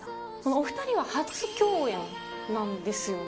お２人は初共演なんですよね。